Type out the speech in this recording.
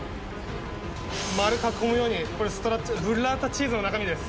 丸囲むようにこれブッラータチーズの中身です